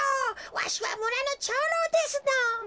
わしはむらの長老ですのぉ。